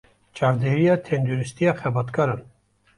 Çavdêriya Tenduristiya Xebatkaran